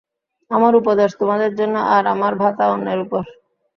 আমার উপদেশ তোমাদের জন্য আর আমার ভাতা অন্যের উপর।